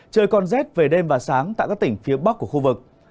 trời còn rét về đêm và sáng tại các tỉnh phía bắc của khu vực